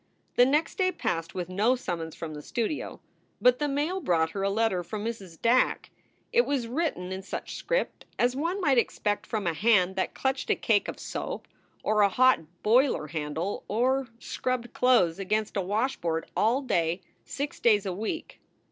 The next day passed with no summons from the studio. But the mail brought her a letter from Mrs. Dack. It was written in such script as one might expect from a hand that clutched a cake of soap or a hot boiler handle or scrubbed clothes against a washboard all day six days a week.